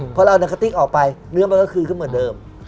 พอเราเอานักคติ้งออกไปเนื้อมันก็คือขึ้นเหมือนเดิม